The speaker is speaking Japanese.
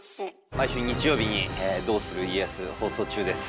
毎週日曜日に「どうする家康」放送中です。